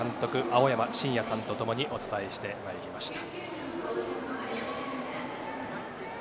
青山眞也さんとともにお伝えしてまいりました。